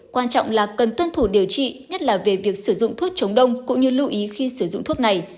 quan trọng là cần tuân thủ điều trị nhất là về việc sử dụng thuốc chống đông cũng như lưu ý khi sử dụng thuốc này